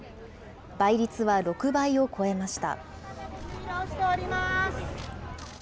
倍率は６倍を超えました。